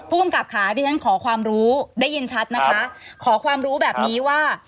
ผู้กำกับค่ะที่ฉันขอความรู้ได้ยินชัดนะคะขอความรู้แบบนี้ว่า